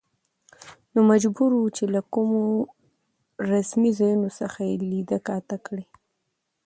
نو مجبور و، چې له کومو رسمي ځايونو څخه يې ليده کاته کړي.